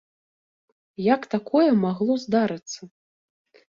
Як такое магло здарыцца?